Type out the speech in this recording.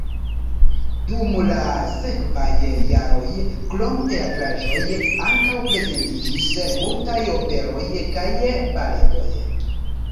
Dum la sekvaj jaroj krom teatraĵoj ankaŭ prezentiĝis multaj operoj kaj baletoj.